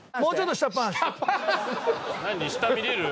下見れる？